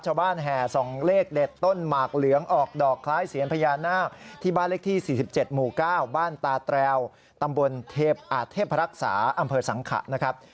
แห่ส่องเลขเด็ดต้นหมากเหลืองออกดอกคล้ายเสียนพญานาคที่บ้านเลขที่๔๗หมู่๙บ้านตาแตรวตำบลเทพรักษาอำเภอสังขะนะครับ